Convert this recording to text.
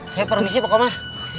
saya permisi pak omar